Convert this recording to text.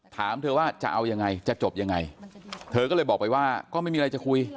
ถามเธอว่าจะเอายังไงจะจบยังไงเธอก็เลยบอกไปว่าก็ไม่มีอะไรจะคุย